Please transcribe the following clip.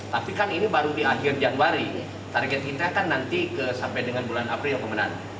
tapi kan ini baru di akhir januari target kita kan nanti sampai dengan bulan april pemenang